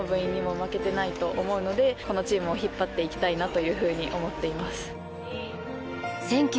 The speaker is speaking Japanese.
というふうに思っています。